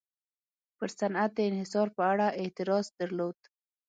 پر صنعت د انحصار په اړه اعتراض درلود.